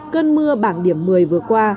cơn mưa bảng điểm một mươi vừa qua